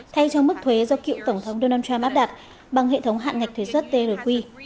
thay cho mức thuế do cựu tổng thống donald trump áp đặt bằng hệ thống hạn ngạch thuế xuất trq